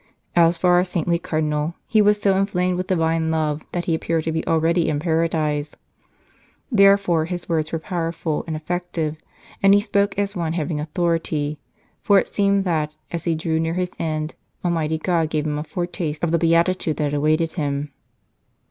As for our saintly Cardinal, he was so inflamed with Divine love that he appeared to be already in Paradise ; therefore his words were powerful and effective, and he spoke as one having authority, for it seemed that, as he drew near his end, Almighty God gave him a foretaste of the beatitude that awaited him."